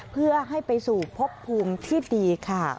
เพื่อให้ไปสู่พบภูมิที่ดีค่ะ